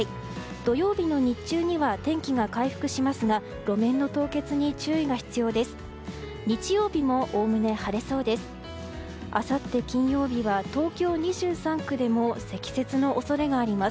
土曜日の日中には天気が回復しますが路面の凍結に注意が必要です。